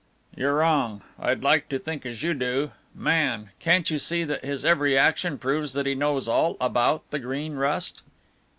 "You're wrong. I'd like to think as you do. Man! Can't you see that his every action proves that he knows all about the Green Rust?"